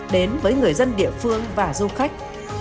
đến với người dân địa phương và du khách